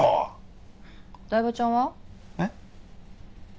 台場ちゃんは？えっ？